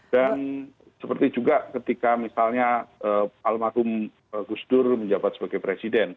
dan seperti juga ketika misalnya al mahkum gusdur menjabat sebagai presiden